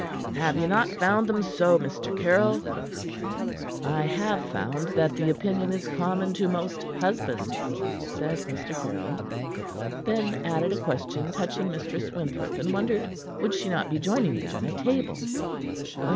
Have you not found them so, Mr. Caryll?" "I have found that the opinion is common to most husbands," said Mr. Caryll, then added a question touching Mistress Winthrop, and wondered would she not be joining them at table.